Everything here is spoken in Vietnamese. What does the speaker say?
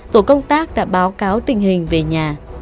tổ công tác đã báo cáo tình hình về nhà